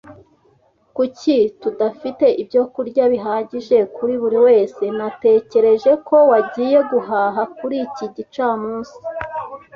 Kuki tudafite ibyo kurya bihagije kuri buri wese? Natekereje ko wagiye guhaha kuri iki gicamunsi.